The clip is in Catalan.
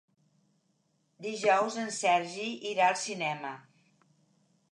Dijous en Sergi irà al cinema.